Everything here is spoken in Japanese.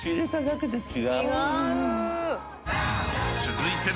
［続いて］